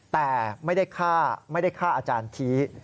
แต่ไม่ได้ฆ่าไม่ได้ฆ่าอาจารย์ชี้